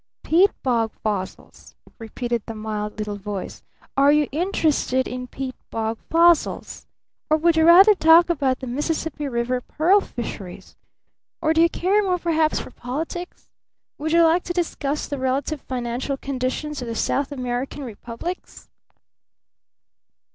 "Peat bog fossils," repeated the mild little voice. "Are you interested in peat bog fossils? Or would you rather talk about the Mississippi River pearl fisheries? Or do you care more perhaps for politics? Would you like to discuss the relative financial conditions of the South American republics?"